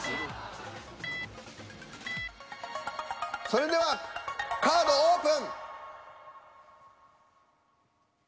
それではカードオープン！